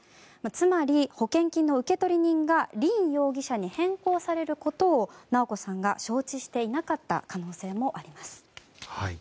つまり、保険金の受取人が凜容疑者に変更されることを直子さんが承知していなかった可能性もあります。